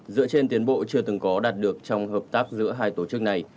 dựa trên tiến bộ chưa từng có đạt được trong hợp tác giữa hai tổ chức này